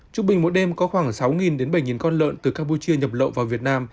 trung bình mỗi đêm có khoảng sáu bảy con lợn từ campuchia nhập lậu vào việt nam